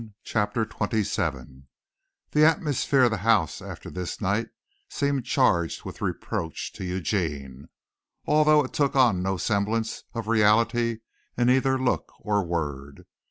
CHAPTER XXVII The atmosphere of the house after this night seemed charged with reproach to Eugene, although it took on no semblance of reality in either look or word.